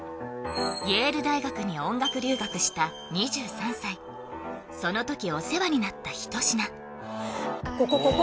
イエール大学に音楽留学した２３歳その時お世話になった一品ここここ！